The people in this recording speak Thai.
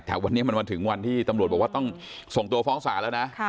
แต่วันนี้มันมาถึงวันที่ตำรวจบอกว่าต้องส่งตัวฟ้องศาลแล้วนะ